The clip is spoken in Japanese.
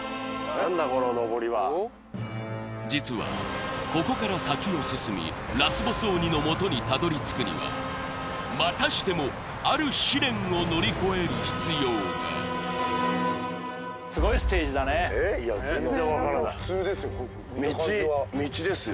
何だこののぼりは実はここから先を進みラスボス鬼のもとにたどり着くにはまたしてもある試練を乗り越える必要がすごいステージだね普通ですよ